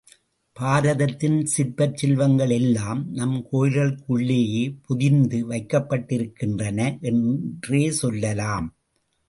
பாரதத்தின் சிற்பச் செல்வங்கள் எல்லாம் நம் கோயில்களுக்குள்ளேயே பொதிந்து வைக்கப்பட்டிருக்கின்றன என்றே சொல்லலாம்.